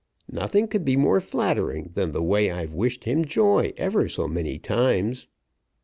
Nothing could be more flattering than the way I've wished him joy ever so many times.